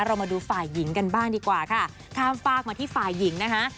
เรามาดูฝ่ายหญิงกันบ้างดีกว่าค่ะข้ามฝากมาที่ฝ่ายหญิงนะคะ